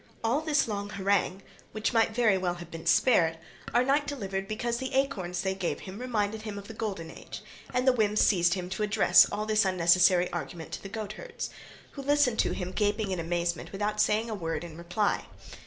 All this long harangue (which might very well have been spared) our knight delivered because the acorns they gave him reminded him of the golden age; and the whim seized him to address all this unnecessary argument to the goatherds, who listened to him gaping in amazement without saying a word in reply.